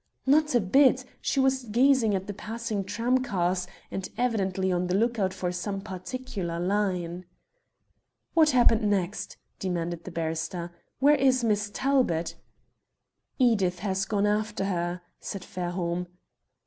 "Not a bit; she was gazing at the passing tramcars, and evidently on the look out for some particular line." "What happened next?" demanded the barrister. "Where is Miss Talbot?" "Edith has gone after her," said Fairholme.